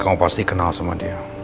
kamu pasti kenal sama dia